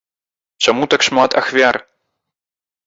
Чаму так шмат ахвяр?